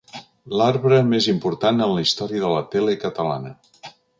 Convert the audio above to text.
L'arbre més important en la història de la tele catalana.